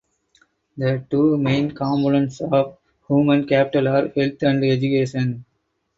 The two main components of human capital are health and education.